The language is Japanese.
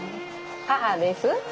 母です。